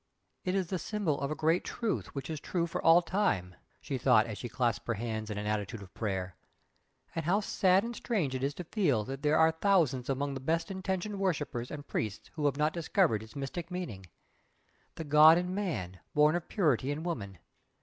"It is the Symbol of a great Truth which is true for all time" she thought, as she clasped her hands in an attitude of prayer "And how sad and strange it is to feel that there are thousands among its best intentioned worshippers and priests who have not discovered its mystic meaning. The God in Man, born of purity in woman!